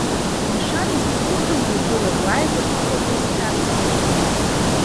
Мшәан, изҭахымда уҩагылар, уааигәа иҟақәаз хьаҵхьеит.